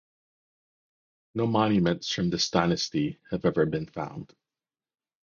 No monuments from this dynasty have been found.